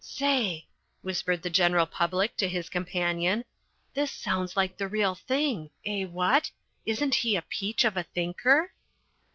"Say," whispered The General Public to his companion, "this sounds like the real thing? Eh, what? Isn't he a peach of a thinker?"